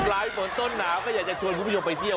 ปลายฝนต้นหนาวก็อยากจะชวนคุณผู้ชมไปเที่ยว